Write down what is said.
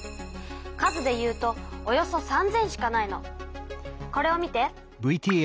数でいうとおよそ３，０００しかないの。これを見て。